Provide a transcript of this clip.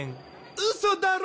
ウソだろ！？